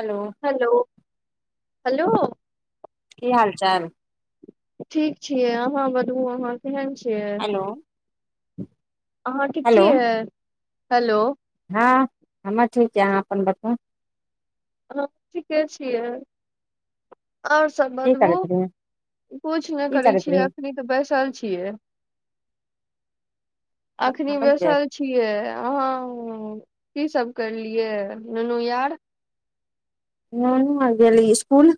Hello hello hello की हाल चाल? ठीक छियै, अहाँ बताबू, अहाँ। केहन‌ छीए? हेलो अहाँ ठीक आए हेलो हाँ हमर ठीक यै। अहाँ अपन बताउ? हमहु ठीके छियै। आओर सभ की बताबू, करैत रहियै किछु नहि की करै करैत छी रहियै अखनी। बैसल छी खाना अखनि बनि गेल बैसल छियै, अहाँ की की कयलियै नुनु यार? नूनू आर गेले इस्कूल।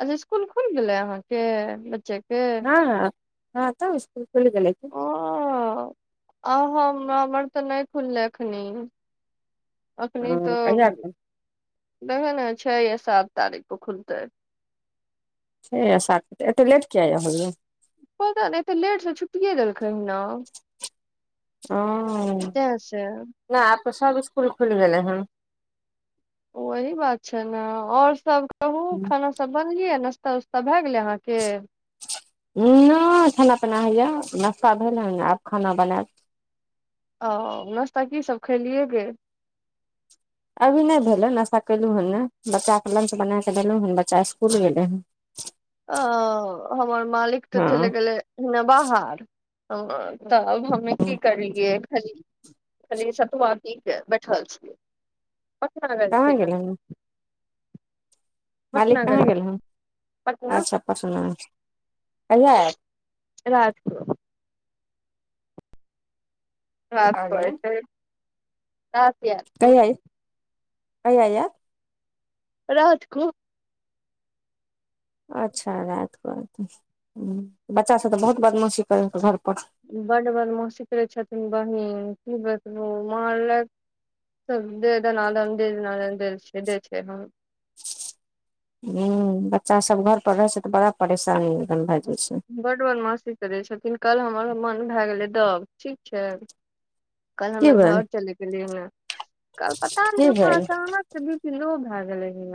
अच्छा ईसकूल खुल गेले अहाँके बच्चे के हँ ह तऽ इसकुल खुलि गेलै कि हाँ आ हमर तऽ नहि खुलले एखनी अखनी हँ तऽ कहिया खुल देखै ने छै या सात तारिख के खुलतै छै या सात कऽ एतऽ लेट कय होइ गेलो पता ने एते लेट से छुटिए देलखिन ह न ओ तैं स ना आब तऽ सब स्कुल खुलि गेलै हन वही बात छै ने और सब कहू खाना सब बनगेल नास्ता उस्ता भए गेले अहाँके के हँ नहि खाना पीना हैया नाश्ता भेल हन आब खाना बनाब ओ नाश्ता की सब खेलियै गे अभी नहि भेल हन आशा कलहु हन ने बच्चाे लंच बना क देलहुँ हन बच्चा ईसकुल गेलै हन ओ हमर मालिक तऽ चलि हँ गेलै न बाहर तऽ अब हमे की करलियै खाली खाली सतुआ पि कऽ बैठल छीऐ पटना गेल कहाँ छै गेलै ने हन मालिक कहाँ गेल हन पटना अच्छा पटना छै कहिया आयत रात क की काज करै कहलियै छै काज कैय कहिया आयत रात क अच्छा राातिकऽति बच्चासभ तऽ बहुत बदमाशी करै हेतो घरपर बड्ड मासी करै छथिन बहिन की बतबू माँ लऽ सब देदनाद दे द दै छै हम हूँ बच्चा सब घर पर रहे छै तऽ बड़ा परेशानी भए जाइ छै बड्ड बदमाासी करै छथिन कल हमर मन भए गेलै दब ठीक छै कल की हमे भेल घर चले गेलि ह कल पता न की हमर भेल अचानक से बि पी लोह भए गेलै हन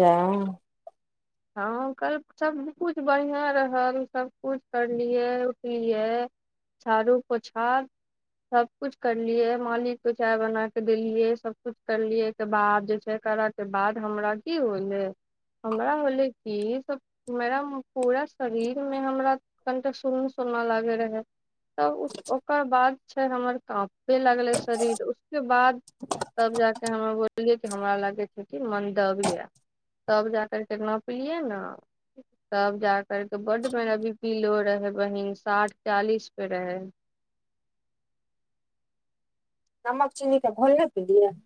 जा अ हँ कल सभकिछु बढ़िआँ रहल सभकिछु करलियै उठलियै झारू पोछा सब कुछ करलियै मालिक के चाय बना के देलिये सब कुछ करलिये ओय के बाद जे छै कर बाद हमरा की होले हमरा होले कि सब मेरा पूरा शरीर मे हमरा कनिटा सुन सुना लागे रहै तब ओकर बाद छै हमर काँपे लगलै शरीर उसके बाद तब जाके हमे बोललियै कि हमरा लागै छै कि मन दब यऽ तब जाक केितना बुझलियए ने [inaudible] तब जा करके बड्ड बरा बिपीलो रहे बहिन साठ चालीस पे रहे नमक चीनी तऽ घोल नहि पिलियै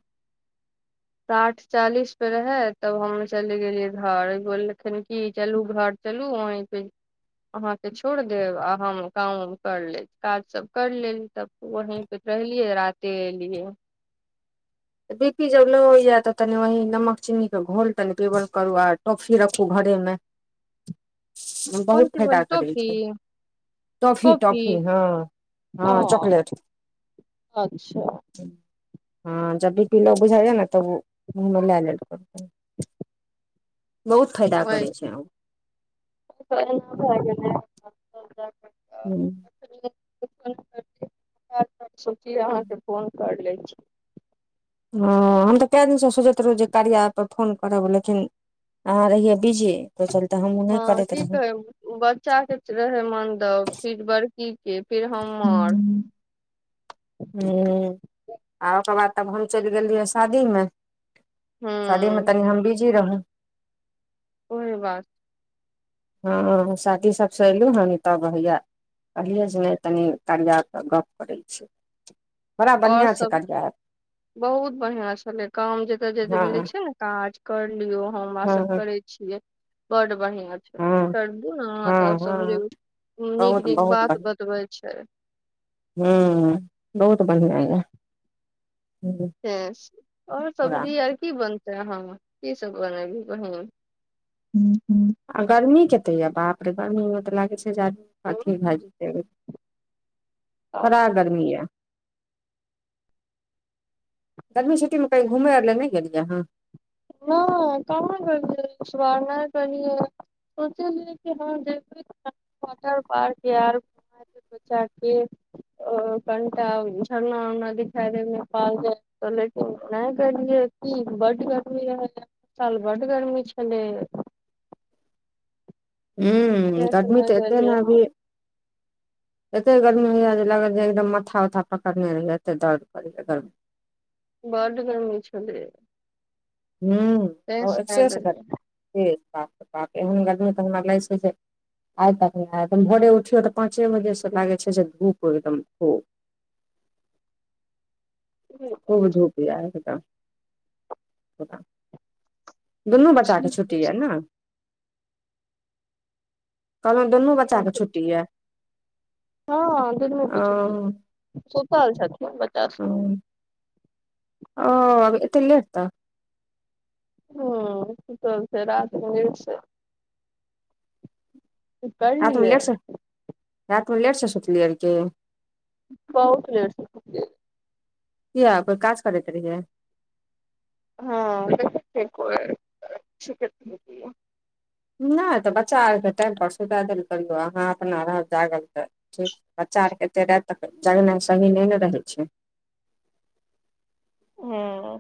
साठ चालीस पे रहै तब हम चलि गेलियै घर बोललखिन की चलू घर चलू वहीं पे अहाँके छोड़ देब आ हम काम उम कर लेब काज सभ करि ले तब वही परे रहललियै राते ए लिए त बी पी जब ल होए तऽ तनि वही नमक चीनीके घोल तनि पीवल करू आ टॉफी रखू घरेमे [unintelligible] कोन बहुत चीज फाायदा बोल करै टॉफी छै टॉफी कॉफी टॉफी हँ ओ हँ चॉकलेट अच्छा हँ जब बी पी लो बुझाइय ने तब ओ मुहमे लए लेल करबै बहुत फायदा ओहि करै छै ओ [unintelligible] हू [unintelligible] सोचली अहाँके फोन कर लै छी हँ हम तऽ कए दिनसँ सोचैत रहौ जे करिया एप पर फोन करब लेकिन अहाँ रहियै बिजी तहि चलते हमहूँ नहि हँ करैत की रही कहै बच्चा के रहे मनदब फिर बड़की के फिर हमर ह आ ओकर बाद तब हम चलि गेलियै शादीमे सादी मे हूँ तनी हम बीजि रहूँ कोइ बात नै हँ शादी सभसँ अयलहु हन तब हैया पढ़े जे नहि तनी तिया कार्या के गप करै छै [inaudible] बढ़िया छै सब कार्या एप [inaudible] बहुत बढ़िया छले काम जते जते हँ मिले छै ने काज कर लियो हमरा सब हँ करय छियै बड बढ़िआँ हँ करदू ने अहाँ तब हँ समझे हँ नीक बहुत नीक बहुत बात बढ़िआँ बतबै छै हूँ बहुत बढ़िआँ यऽ आओर पूरा सब्जी आर की बनत हँ क सब बनाबी कह आ गर्मी कतेक यए बाप रे गर्मीमे तऽ लागै छै जे आदमी अथी भए जेतै बड़ा गर्मी य गर्मी छु्टीमे की घुमै आर ल नहि गेलियैहाँ न कहां करिय सुवारना करयै सोचे कि ह देखबै वाटर पार्क य घ बच्चा के कनिटा झरना उरना दिखाई दे मे प जा चले नहि ग कि बढ़िआ साल बड गर्मी छलै ह तैं से गर्मी नहि तऽ एते गेलियै ने हम अभी एते गर्मी होया जे लागतजे एकदम माथा उथा पकड़ने रहहिया एते दर्द करै गरमी बड गर्मी छलै तैं से नहि एक्सेस गेलियै गरमी हमरा लागय छै जे आइ तकम भोरे उठियो तऽ पाँचे बजे से लागे छै जे धूप एकदम खूब हूँ खूब धूप यार एकटा दुनू बच्चा के छुट्टी य ने कहलु दुनू बच्चा चा के छुटीऐ हँ दनू के ओ छुट्टी सुतल छथिन बच्चा सब आत ले अत हँ चल छै रति निलस रातिमे लेटसँ रातिमे लेटसँ सुतलियै र की बहुत बे किया कोय काज करैत रहिय हाँ [unintelligible] नहि तऽ बच्चा आरके टाइम पर सुता देल करियो अहाँ अपना रह जागल ठीक बच्चा आरके एतेक राति तक जगनाइ सही नहि ने रहै छै ह्म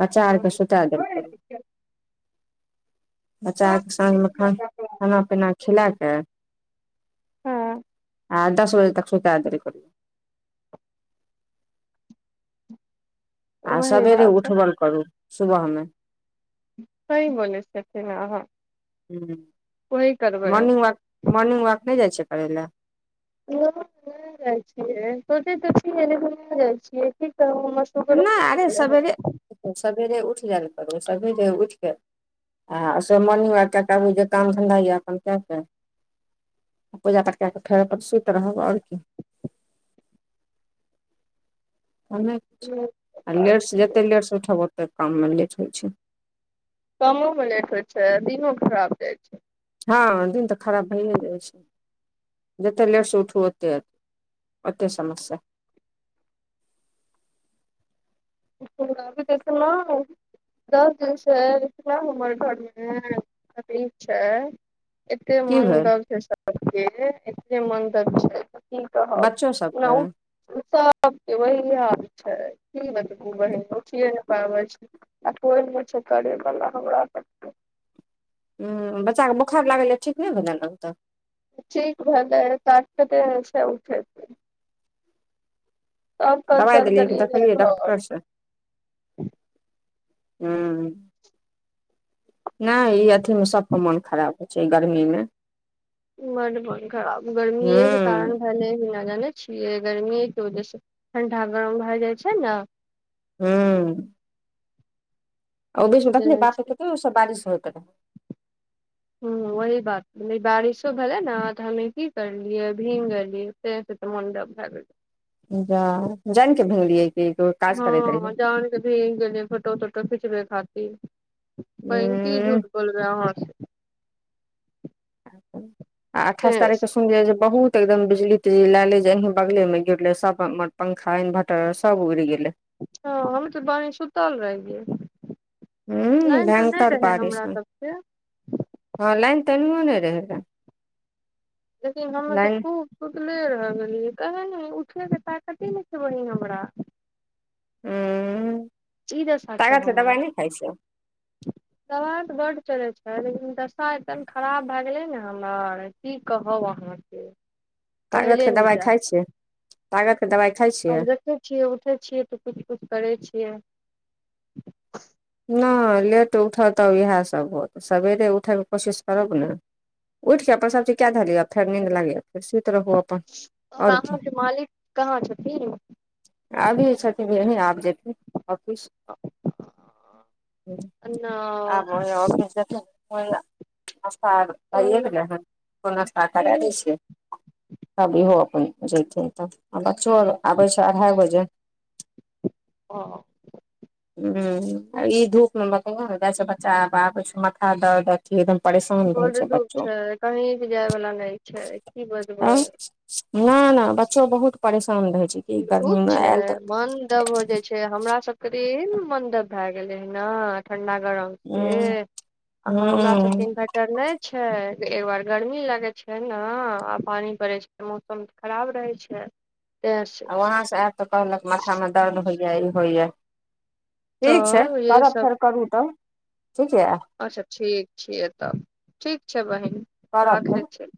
बचा आर के सुता देल करू बच्चा आरके साँझमे खाना हूँ खाना पीना खिलाय कऽ हँ आ दस बजे तक सुता देल करु आ वही सवेरे बात है उठबल करू सुबहमे सही बोलै छथि अहाँ वही करबै आब मॉर्निंग वाक मॉर्निंग वाक नहि जाइ छै करै लए नै नै जाय छियै सोचे तऽ छियै लेकिन नै जाइ छियै सुगरो नहि बढ़ अरे गेलै हन सवेरे सवेरे उठ जाल करू सबेरे उठ के आ सब मॉर्निंग वक कए क आबू जे काम धन्धा यए अपन कए कऽ पूजापाठ कए कऽ फेर अपन सुति रहब आओर की ओने हूँ आर लेटसँ जतेक लेटसँ उठब ओतेक काममे लेट होइ छै कामो मे लेट होइ छै दिनो खराब जाइ छै हँ दिन तऽ खराब भइए जाइ छै जेतेक लेट से उठू ओतेक ओते समस्या [unintelligible] देखलौं दस दिन से पूरा हमर घर मे अथी छै एते की मन भेल डब छै सब के एते मन डब छै की कहब बच्चो सभके [unintelligible] सबके वही हाल छै की बतबू बहिन उठिय नहि पाबै छै आ कोइनै छै करै वला हमरा हँ बच्चाके बोखार लागै लऽ ठीक नहि भेलै अभी तक ठीक भेले [unintelligible] स उठै कल दवाइ चल देलियै कि गेलियै रहे देखलियै घर डॉक्टर से ह्म नहि ई अथी मे सबके मोन खराब होइ छै ऐ गर्मी मे बड मोन खराब गर्मी हँ एक कारण भेलल भी न जाने छियै गर्मियएके ओ जे ह से ठण्डा गरम भए जाइ छै ने हू ओ बीचमे देखलियै बात कि बारिश होइत रहै। हँ, वही बात पर बारिशो भेलै ने, तऽ हम की करलियै, भीङ्ग गेलियै। से तऽ मन दब भऽ गेलै। जा, जानि कऽ भङ्गली अके ई ग। हँ, जानि कऽ गेलियै, फोटो टोटो खिचबऽ खातिर। की उंह झूठ बोलबै अहाँ से। अठाइस तें तारीखके से। सुनलियै जे बहुत एकदम बिजली-तिजली लऽ कऽ जे यहीं बगलमे गिरलै, सभ पंखा इन्वर्टर सभ उड़ि गेलै। हँ, हम तऽ एत्तऽ सुतल रहियै। उंह लाइन तऽ नहि भयंकर रहै बारिश हमरा मे सभके। हँ, लाइन तऽ एन्हुओ नहि रहै। लेकिन हमर तऽ लाइन खूब सुतले रहि गेलियै तहँ ने, उठैके ताकते ने छै बहि हमरा। हँ, ई दशा छै ताकतके दबाइ नहि खाइ छै। [unintelligible] दवा तऽ बड्ड चलै छै, लेकिन दशा एते खराब भऽ गेलै ने हमर। की कहब अहाँके। कहले तागतके ने दबाइ जा खाइ छियै तागतके दबाइ खाइ छियै? देखियौ, उठैत छी तऽ किछु-किछु करैत छी। नहि, लेट उठब तऽ इएह सभ होयत। सवेरे उठैके कोशिश करब ने। उठि जाओ अपन सभी चीज कैध लिया फेर नीन्द आओर लागैए, फेर सुति रहू अपन, आओर की? अहाँके मालिक कहाँ छथिन अभी छथिन यहीं, आब जेथिन ऑफिस। [inaudible] हँ, आब नहि ओहि ऑफिस जेथिन, ओहि लेल। नाश्ता आर भऽ गेलै हँ, ओकरो नाश्ता करा दैत छी। तब इहो अपन जेथिन, तब बच्चो आर आबै छै अढ़ाई बजे। ओ हँ, ई धूपमे बच्चा बतबौ नहि जाइ छै, बच्चा आबै छै तऽ माथा दर्द होइ छै। कि एकदम परेशान रहै बड छै धूप बच्चो तब। कहीं भी जाय वाला नहि छै की बजबै हँ, नहि, बच्चो बहुत परेशान रहैत छै कि गर्मीमे आयल तऽ। तब ओ जे छै, हमरा सभके रहि ने मण्डप भऽ गेलै हे ने ठण्डा गरम। ह से अहाँ हमरा सभके ह इनभाइट र नहि छै जे, एकबार गर्मी लागै छै ने आ पानि पड़ै छै। मौसम तऽ खराब रहै छै तैंसे आ वहाँसँ आयब तऽ कहलक, माथामे दर्द होइए, ई होइए। ठीक छै, तऽ यही करब सब फेर करू, तखन ठीक होयत। अच्छा ठीक छियै, तब ठीक छै। बहिन करब फेर राखै छी